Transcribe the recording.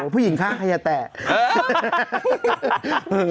ผู้หญิงฆ่าใครอย่าแตะ